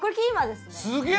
すげえ！